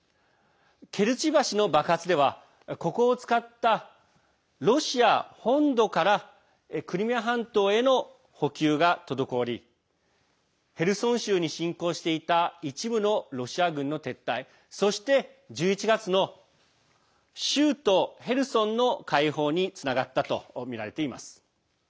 ケルチ橋の爆発ではここを使ったロシア本土からクリミア半島への補給が滞りヘルソン州に侵攻していた一部のロシア軍の撤退そして１１月の州都ヘルソンの解放につながったとみられています。